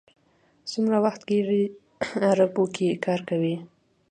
څومره وخت کېږي عربو کې کار کوئ.